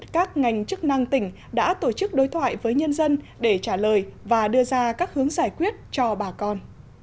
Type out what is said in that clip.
các ngành chức năng tỉnh đã tổ chức đối thoại với nhân dân để trả lời và đưa ra các hướng giải quyết cho bà con